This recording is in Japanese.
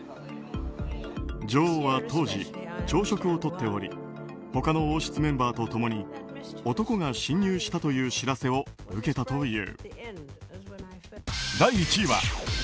女王は当時、朝食をとっており他の王室メンバーと共に男が侵入したという知らせを受けたという。